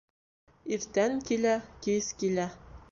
Иртән килә, кис килә.